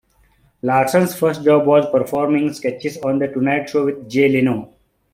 Larson's first job was performing in sketches on "The Tonight Show with Jay Leno".